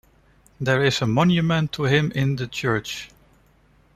There is a monument to him in the church.